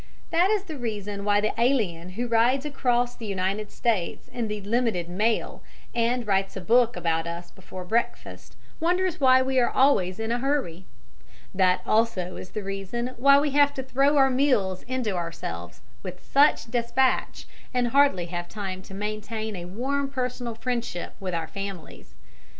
That is the reason why the alien who rides across the United States in the "Limited Mail" and writes a book about us before breakfast wonders why we are always in a hurry. That also is the reason why we have to throw our meals into ourselves with such despatch, and hardly have time to maintain a warm personal friendship with our families.